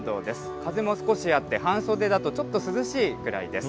風も少しあって、半袖だと、ちょっと涼しいくらいです。